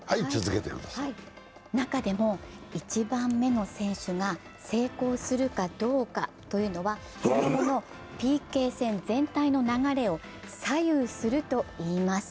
中でも一番目の選手が成功するかどうかというのがその後のＰＫ戦全体の流れを左右するといいます。